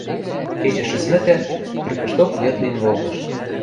Кечӹ шӹцмӹкӹ, трӱкӹшток йыд лин колтыш.